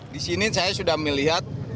di sini saya sudah melihat